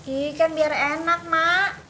iya kan biar enak mak